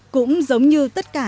cũng giống như tất cả